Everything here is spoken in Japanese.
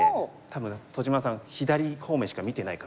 多分戸島さん左方面しか見てないからです。